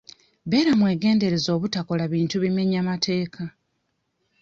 Beera mwegendereza obutakola bintu bimenya mateeka.